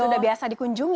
itu udah biasa dikunjungi ya